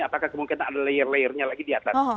apakah kemungkinan ada layer layernya lagi di atas